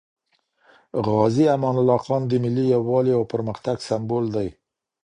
غازي امان الله خان د ملي یووالي او پرمختګ سمبول دی.